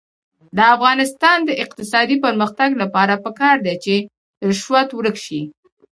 د افغانستان د اقتصادي پرمختګ لپاره پکار ده چې رشوت ورک شي.